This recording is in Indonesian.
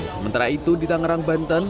sementara itu di tangerang banten